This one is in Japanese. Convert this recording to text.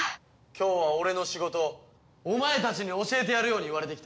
今日は俺の仕事をお前たちに教えてやるように言われて来た。